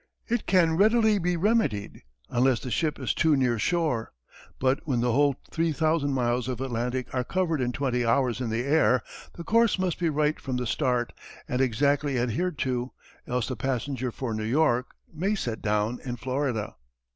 It can readily be remedied, unless the ship is too near shore. But when the whole three thousand miles of Atlantic are covered in twenty hours in the air, the course must be right from the start and exactly adhered to, else the passenger for New York may be set down in Florida.